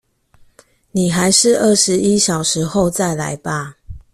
你還是二十一小時後再來吧